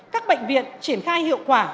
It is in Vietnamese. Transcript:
các bệnh viện triển khai hiệu quả